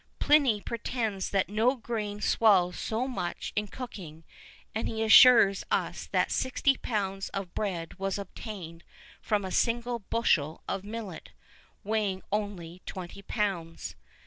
[V 21] Pliny pretends that no grain swells so much in cooking, and he assures us that sixty pounds of bread was obtained from a single bushel of millet, weighing only twenty pounds.